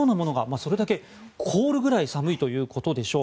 それだけ凍るぐらい寒いということでしょう。